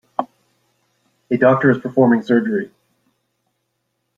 A doctor is performing surgery.